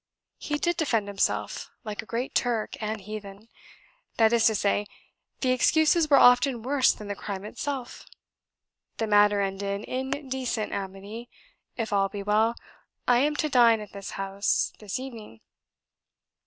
He did defend himself, like a great Turk and heathen; that is to say, the excuses were often worse than the crime itself. The matter ended in decent amity; if all be well, I am to dine at his house this evening.